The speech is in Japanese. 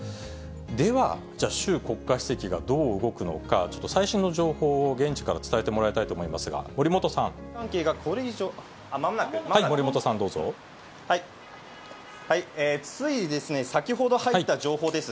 では、じゃあ、習国家主席がどう動くのか、ちょっと最新の情報を現地から伝えてもらいたいと思いますが、つい先ほど入った情報です。